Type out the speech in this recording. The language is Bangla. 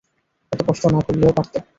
এত কষ্ট না করলেও পারতে।